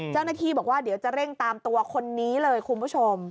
เจ้าหน้าที่บอกว่าเดี๋ยวจะเร่งตามตัวคนนี้เลยคุณผู้ชม